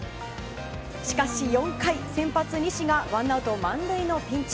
しかし４回、先発の西がワンアウト満塁のピンチ。